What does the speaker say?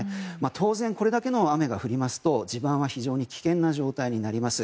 当然、これだけの雨が降りますと地盤は非常に危険な状態になります。